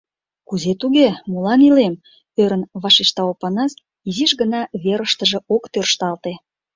— Кузе-туге... молан илем? — ӧрын вашешта Опанас, изиш гына верыштыже ок тӧршталте.